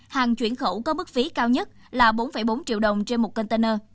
hàng chuyển khẩu có mức phí cao nhất là bốn bốn triệu đồng trên một container